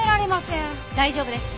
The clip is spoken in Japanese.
大丈夫です。